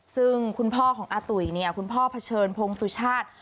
ซึ่งคุณพ่อของอาตุ๋ยเนี่ยคุณพ่อเผชิญพงสุชาติ